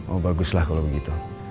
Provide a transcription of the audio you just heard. oh baguslah kalo begitu